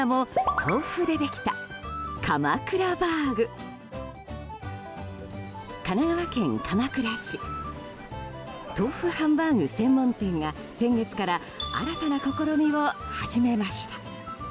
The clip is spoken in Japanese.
豆腐ハンバーグ専門店が先月から新たな試みを始めました。